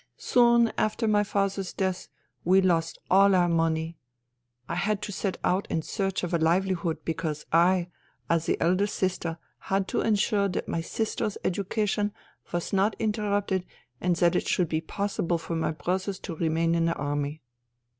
Soon after my father's death we lost all our money. I had to set out in search of a livelihood because I, as the eldest sister, had to ensure that my sisters' education was not interrupted and that it should be possible for my brothers to remain in the army.